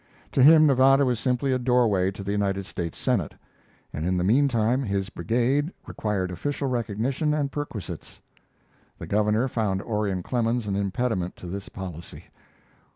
To him Nevada was simply a doorway to the United States Senate, and in the mean time his brigade required official recognition and perquisites. The governor found Orion Clemens an impediment to this policy.